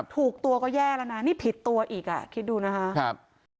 ถูกตัวก็แย่แล้วนะนี่ผิดตัวอีกอ่ะคิดดูนะคะ